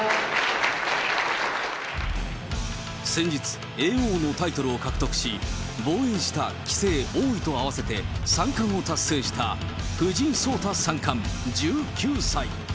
先日、叡王のタイトルを獲得し、防衛した棋聖、王位と合わせて三冠を達成した藤井聡太三冠１９歳。